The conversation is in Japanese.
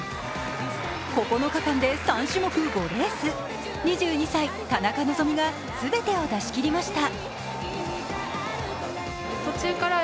９日間で３種目５レース、２２歳、田中希実が全てを出しきりました。